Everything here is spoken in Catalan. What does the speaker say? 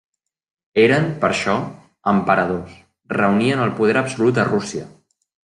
Eren, per això, emperadors, reunien el poder absolut a Rússia.